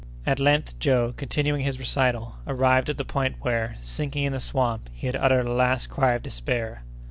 At length Joe, continuing his recital, arrived at the point where, sinking in the swamp, he had uttered a last cry of despair.